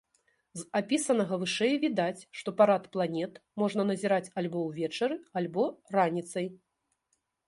З апісанага вышэй відаць, што парад планет можна назіраць альбо ўвечары, альбо раніцай.